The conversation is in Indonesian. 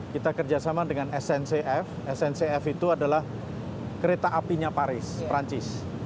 kita kerjasama dengan sncf sncf itu adalah kereta apinya paris perancis